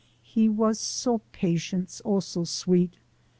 He was so patience, O so sweet!